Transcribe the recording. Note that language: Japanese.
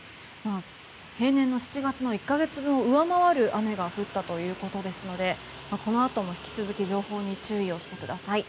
平年の７月の１か月分を上回る雨が降ったということですのでこのあとも引き続き情報に注意をしてください。